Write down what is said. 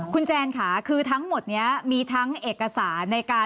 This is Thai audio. คุณแจนค่ะคือทั้งหมดนี้มีทั้งเอกสารในการ